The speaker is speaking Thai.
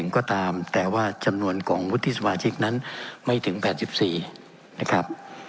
ก็ตามแต่ว่าจำนวนของวุฒิสมาชิกนั้นไม่ถึง๘๔นะครับ